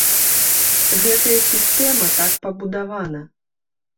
Гэтая сістэма так пабудавана.